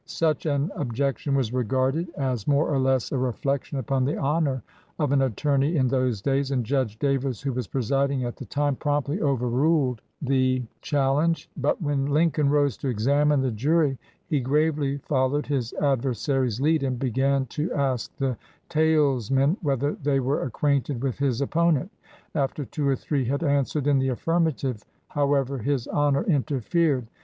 Such an objection was regarded as more or less a reflection upon the honor of an attorney in those days, and Judge Davis, who was presiding at the time, promptly overruled the 212 Leonard Swett THE JURY LAWYER challenge ; but when Lincoln rose to examine the jury he gravely followed his adversary's lead and began to ask the talesmen whether they were acquainted with his opponent. After two or three had answered in the affirmative, however, his Honor interfered.